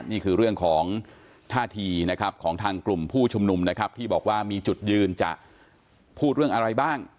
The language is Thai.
นี่คือเรื่องของท่าทีนะครับของทางกลุ่มผู้ชุมนุมนะครับที่บอกว่ามีจุดยืนจะพูดเรื่องอะไรบ้าง